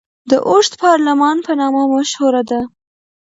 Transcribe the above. د اوږد پارلمان په نامه مشهوره ده.